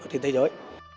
trên thế giới